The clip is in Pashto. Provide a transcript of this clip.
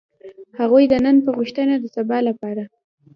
هغوی د نن په غوښتنه د سبا لپاره.